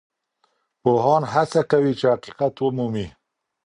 پوهان هڅه کوي چي حقیقت ومومي.